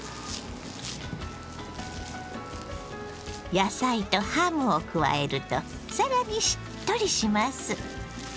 野菜とハムを加えると更にしっとりします。